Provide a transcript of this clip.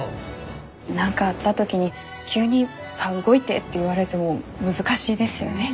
何かあった時に急に「さあ動いて」って言われても難しいですよね。